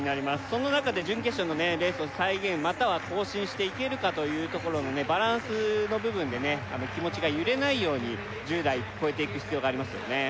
その中で準決勝のレースを再現または更新していけるかというところのバランスの部分で気持ちが揺れないように１０台越えていく必要がありますよね